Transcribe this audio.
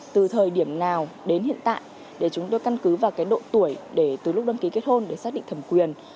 từ thời điểm nào đến hiện tại để chúng tôi căn cứ vào độ tuổi để từ lúc đăng ký kết hôn để xác định thẩm quyền